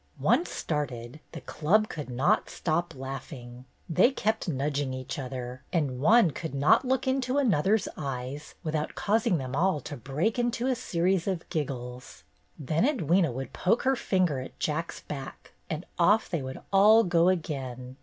Once started, the Club could not stop laugh ing. They kept nudging each other, and one could not look into another's eyes without causing them all to break into a series of giggles. Then Edwyna would poke her finger at Jack's back, and off they would all go again.